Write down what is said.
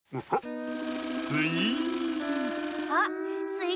すい。